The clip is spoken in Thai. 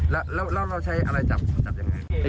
แล้วเราใช้อะไรจับจับอย่างไร